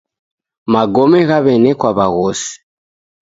Magome ghaw'enekwa w'aghosi.